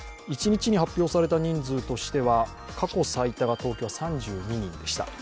一日に発表された人数としては過去最多が東京は３２人でした。